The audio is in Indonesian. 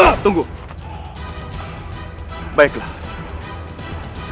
jika kamu berhutang dengan aku